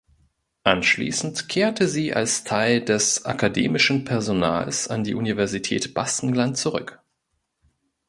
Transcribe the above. Anschließend kehrte sie als Teil des akademischen Personals an die Universität Baskenland zurück.